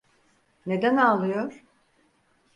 Neden ağlıyor?